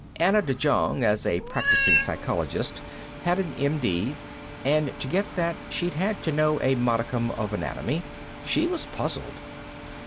Anna de Jong, as a practicing psychologist, had an M.D. and to get that she'd had to know a modicum of anatomy; she was puzzled.